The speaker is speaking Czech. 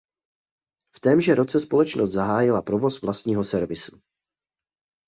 V témže roce společnost zahájila provoz vlastního servisu.